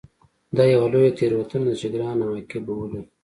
دا یوه لویه تېروتنه ده چې ګران عواقب به ولري